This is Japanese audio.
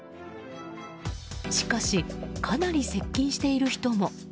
しかし、かなり接近している人も。